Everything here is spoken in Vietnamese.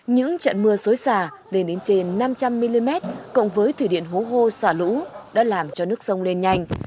những trận mưa xối xả lên đến trên năm trăm linh mm cộng với thủy điện hố hô xả lũ đã làm cho nước sông lên nhanh